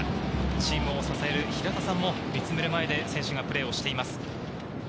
チームを支える平田さんも見つめる前で選手がプレーしています。